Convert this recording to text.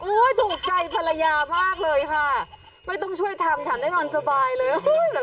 ถูกใจภรรยามากเลยค่ะไม่ต้องช่วยทำถามได้นอนสบายเลย